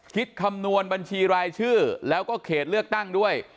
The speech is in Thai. คำนวณบัญชีรายชื่อแล้วก็เขตเลือกตั้งด้วย